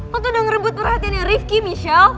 lo tuh udah ngerebut perhatiannya rifqi michelle